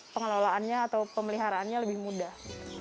pengelolaannya atau pemeliharaannya lebih mudah